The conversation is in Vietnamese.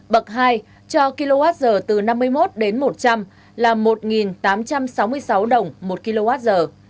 bậc hai cho kwh từ năm mươi một đến một trăm linh là một tám trăm sáu mươi sáu đồng một kwh